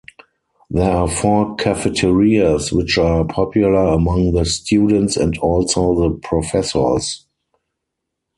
There are four cafeterias which are popular among the students and also the professors.